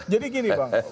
jadi gini bang